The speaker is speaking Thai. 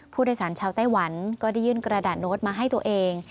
ผู้โดยสารชาวไต้หวันก็ได้ยื่นกระดาษโน้ตมาให้ตัวเอง